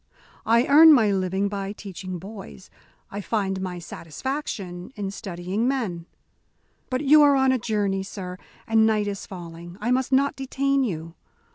I earn my living by teaching boys. I find my satisfaction in studying men. But you are on a journey, sir, and night is falling. I must not detain you.